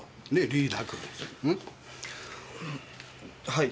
はい。